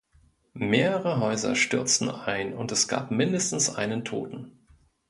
Mehrere Häuser stürzten ein, und es gab mindestens einen Toten.